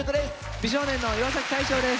美少年の岩大昇です。